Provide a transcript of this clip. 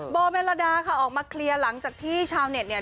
เมลดาค่ะออกมาเคลียร์หลังจากที่ชาวเน็ตเนี่ย